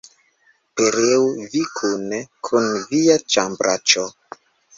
Pereu vi kune kun via ĉambraĉo!